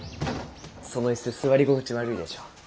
その椅子座り心地悪いでしょ。